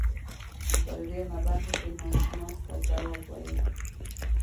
په دریمه برخه کې ناشناس ته جواب ویلی.